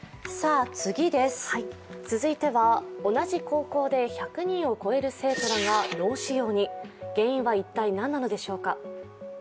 続いては同じ高校で１００人を超える生徒らが脳腫瘍に、原因は一体何なのでしょうか。